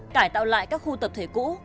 cải tạo lại các khu tập thể cũ